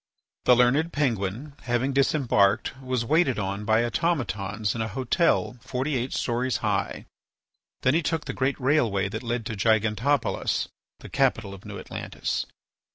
The learned Penguin, having disembarked, was waited on by automatons in a hotel forty eight stories high. Then he took the great railway that led to Gigantopolis, the capital of New Atlantis.